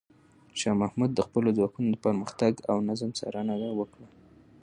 شاه محمود د خپلو ځواکونو د پرمختګ او نظم څارنه وکړه.